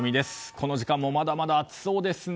この時間もまだまだ暑そうですね。